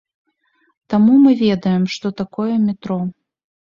Таму мы ведаем, што такое метро.